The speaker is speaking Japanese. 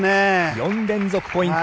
４連続ポイント。